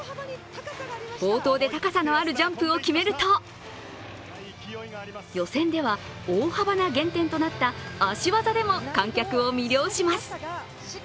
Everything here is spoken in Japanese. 冒頭で高さのあるジャンプを決めると予選では大幅な減点となった足技でも観客を魅了します。